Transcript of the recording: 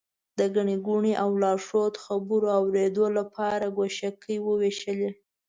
د ګڼې ګوڼې او لارښود خبرو اورېدو لپاره ګوشکۍ ووېشلې.